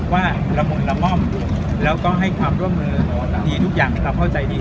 ละมุนละม่อมแล้วก็ให้ความร่วมมือดีทุกอย่างเราเข้าใจดี